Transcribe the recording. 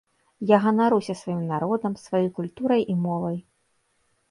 Я ганаруся сваім народам, сваёй культурай і мовай.